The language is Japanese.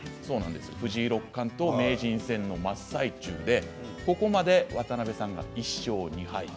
藤井六冠と名人戦の真っ最中でここまで渡辺さんが１勝２敗。